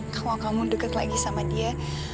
kalau kamu deket lagi sama dia